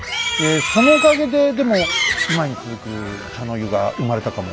そのおかげででも今に続く茶の湯が生まれたかもしれないですもんね。